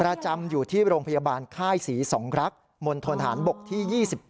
ประจำอยู่ที่โรงพยาบาลค่ายศรีสองรักมณฑนฐานบกที่๒๗